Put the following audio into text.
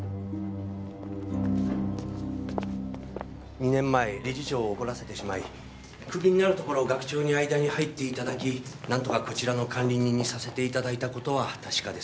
２年前理事長を怒らせてしまい首になるところを学長に間に入っていただきなんとかこちらの管理人にさせていただいた事は確かです。